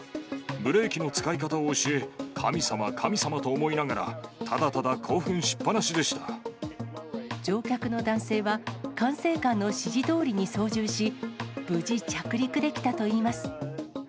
ブレーキの使い方を教え、神様、神様！と思いながら、ただただ興乗客の男性は、管制官の指示どおりに操縦し、無事着陸できたといいます。